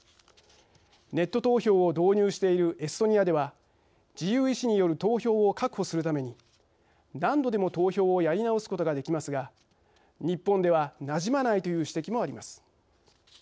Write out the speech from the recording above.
ネット投票を導入しているエストニアでは自由意思による投票を確保するために何度でも投票をやり直すことができますが日本ではなじまないという指摘もあります。